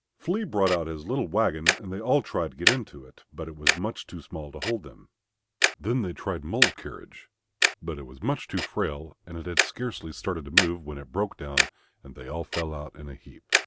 Flea brought out his little wagon and they all tried to get into it, but it was much too small to hold them. Then they tried Mole's carriage, but it was much too frail, and it had scarcely started to move when it broke down and they all fell out in a heap.